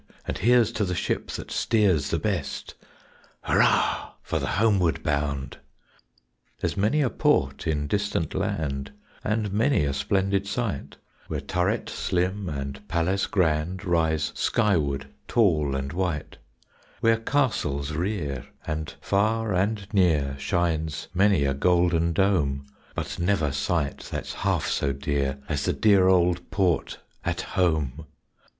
And here's to the ship that steers the best Hurrah for the homeward bound!_ There's many a port in distant land And many a splendid sight, Where turret slim and palace grand Rise skyward tall and white; Where castles rear, and far and near Shines many a golden dome; But never sight that's half so dear As the dear old port at home.